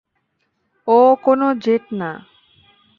ও কোনো জেট না।